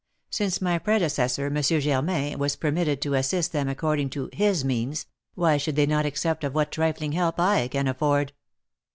Since my predecessor, M. Germain, was permitted to assist them according to his means, why should they not accept of what trifling help I can afford?"